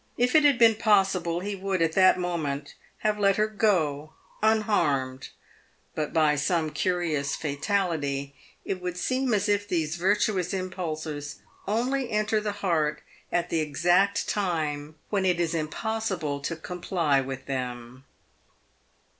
If it had been possible, he would, at that moment, have let her go unharmed, but by some curious fatality it would seem as if these virtuous impulses only enter the heart at the exact time when it is impossible to comply with them.